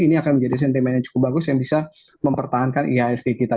ini akan menjadi sentimen yang cukup bagus yang bisa mempertahankan ihsg kita